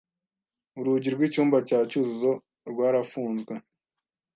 Urugi rw'icyumba cya Cyuzuzo rwarafunzwe.